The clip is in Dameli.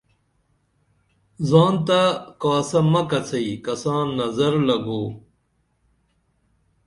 زان تہ کاسہ مکڅئی کساں نظر لگو